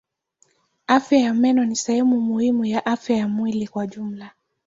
Afya ya meno ni sehemu muhimu ya afya ya mwili kwa jumla.